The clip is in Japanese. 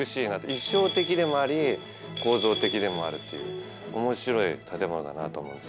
意匠的でもあり構造的でもあるという面白い建物だなと思うんですよね。